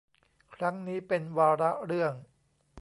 ครั้งนี้เป็นวาระเรื่อง